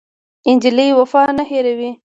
نجلۍ وفا نه هېروي.